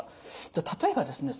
じゃあ例えばですね